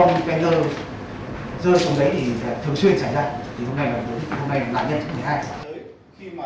còn cái chuyện xe công cái dơ dơ trong đấy thì thường xuyên xảy ra thì hôm nay là nhân thứ một mươi hai